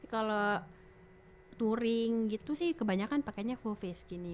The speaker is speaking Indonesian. kalo touring gitu sih kebanyakan pakenya full paced gini